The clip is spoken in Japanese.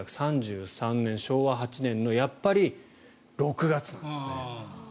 １９３３年、昭和８年のやっぱり６月なんですね。